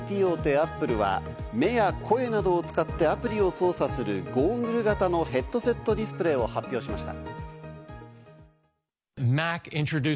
アップルは目や声などを使ってアプリを操作するゴーグル型のヘッドセットディスプレーを発表しました。